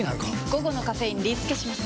午後のカフェインリスケします！